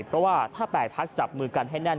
เพราะว่าถ้า๘พักจับมือกันให้แน่น